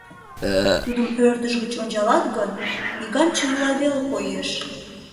Тудым ӧрдыж гыч ончалат гын, иган чывыла веле коеш.